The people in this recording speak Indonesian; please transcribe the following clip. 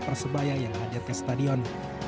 sebagai sebahaya yang hadir ke stadion